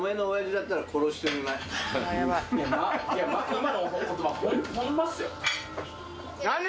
今の言葉ホンマっすよ。